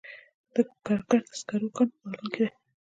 د کرکر د سکرو کان په بغلان کې دی